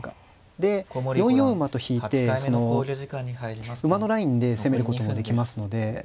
で４四馬と引いてその馬のラインで攻めることもできますので。